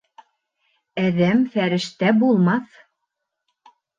Әҙәм фәрештә булмаҫ.